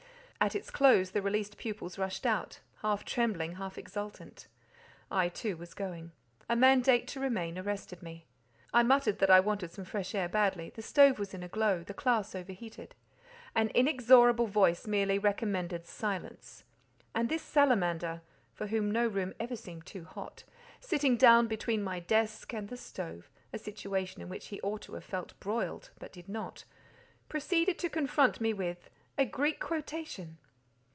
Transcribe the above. At its close, the released, pupils rushed out, half trembling, half exultant. I, too, was going. A mandate to remain arrested me. I muttered that I wanted some fresh air sadly—the stove was in a glow, the classe over heated. An inexorable voice merely recommended silence; and this salamander—for whom no room ever seemed too hot—sitting down between my desk and the stove—a situation in which he ought to have felt broiled, but did not—proceeded to confront me with—a Greek quotation!